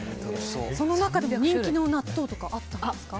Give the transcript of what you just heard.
その中でも人気の納豆とかはあったんですか？